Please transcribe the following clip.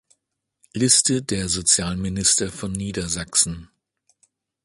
Liste der Sozialminister von Niedersachsen